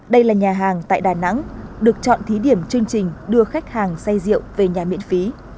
đây là nhà hàng tại đà nẵng được chọn thí điểm chương trình đưa khách hàng say rượu về nhà miễn phí